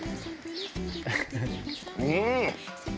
うん！